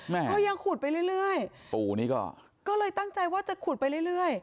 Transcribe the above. ก็ยังขุดไปเรื่อยปู่นี้ก็เลยตั้งใจว่าจะขุดไปเรื่อย